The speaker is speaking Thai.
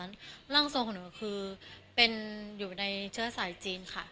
ร่างทรงของหนูคือเป็นอยู่ในเชื้อสายจีนค่ะ